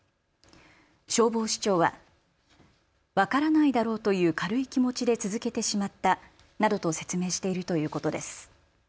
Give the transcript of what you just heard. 消防士長は分からないだろうという軽い気持ちで続けてしまったなどと説明しているということです。